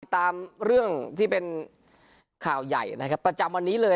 ตามเรื่องที่เป็นข่าวใหญ่นะครับประจำวันนี้เลย